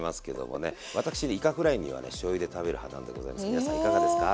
皆さんいかがですか？